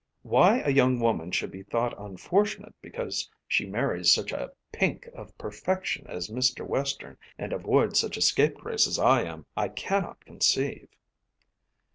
"Why a young woman should be thought unfortunate because she marries such a pink of perfection as Mr. Western, and avoids such a scapegrace as I am, I cannot conceive."